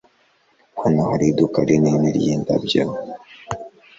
Hano hari iduka rinini ryindabyo?